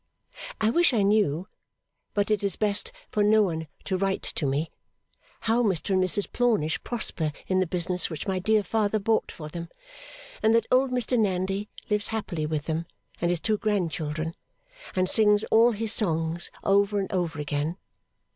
I wish I knew but it is best for no one to write to me how Mr and Mrs Plornish prosper in the business which my dear father bought for them, and that old Mr Nandy lives happily with them and his two grandchildren, and sings all his songs over and over again.